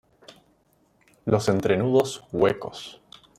Los entrenudos huecos.